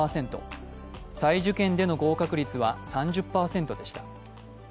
再受験での合格率は３０％でした。